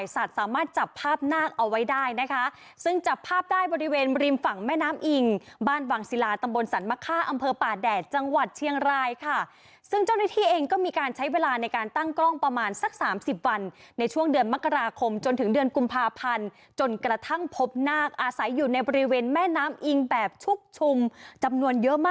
สามารถจับภาพนาคเอาไว้ได้นะคะซึ่งจับภาพได้บริเวณริมฝั่งแม่น้ำอิงบ้านวังศิลาตำบลสรรมะค่าอำเภอป่าแดดจังหวัดเชียงรายค่ะซึ่งเจ้าหน้าที่เองก็มีการใช้เวลาในการตั้งกล้องประมาณสักสามสิบวันในช่วงเดือนมกราคมจนถึงเดือนกุมภาพันธ์จนกระทั่งพบนาคอาศัยอยู่ในบริเวณแม่น้ำอิงแบบชุกชุมจำนวนเยอะมาก